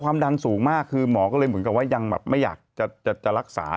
ความดันสูงมากคือหมอก็เลยเหมือนกับว่ายังแบบไม่อยากจะรักษา